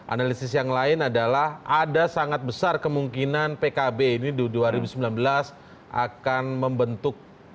analisis yang lain adalah ada sangat besar kemungkinan pkb ini di dua ribu sembilan belas akan membentuk